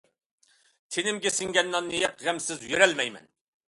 تېنىمگە سىڭگەن ناننى يەپ غەمسىز يۈرەلمەيمەن.